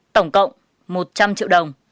tổng cộng một trăm linh triệu đồng